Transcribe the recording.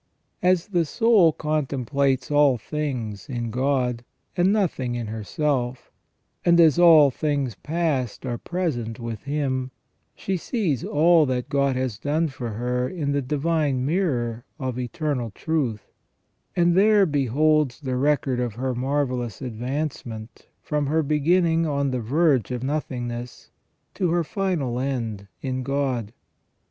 As the soul contemplates all things in God, and nothing in herself, and as all things past are present with Him, she sees all that God has done for her in the divine mirror of Eternal Truth, and there beholds the record of her marvellous advancement from her beginning on the verge of nothingness to her final end in God.